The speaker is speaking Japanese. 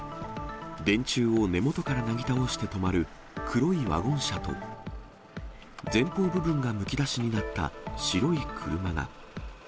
電柱を根元からなぎ倒して止まる黒いワゴン車と、前方部分がむき出しになった白い車が。